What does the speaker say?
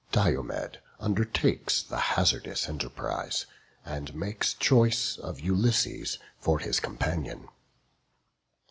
Diomed undertakes the hazardous enterprise, and makes choice of Ulysses for his companion.